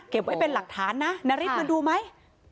ไว้เป็นหลักฐานนะนาริสมาดูไหม